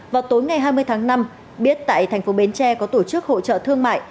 vào tối ngày hai mươi tháng năm biết tại tp bến tre có tổ chức hỗ trợ thương mại